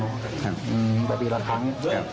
ประมาณปีละครั้ง